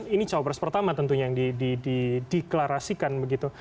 ini cawapres pertama tentunya yang dideklarasikan begitu